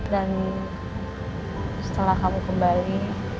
dan setelah kamu kembali